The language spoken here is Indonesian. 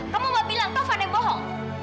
kamu mau bilang taufan yang bohong